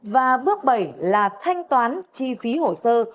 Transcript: và bước bảy là thanh toán chi phí hồ sơ